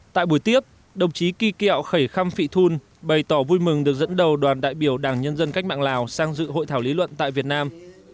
tại buổi tiếp đồng chí kỳ kẹo khẩy khăm phị thun bày tỏ vui mừng được dẫn đầu đoàn đại biểu đảng nhân dân cách mạng lào sang dự hội thảo lý luận tại việt nam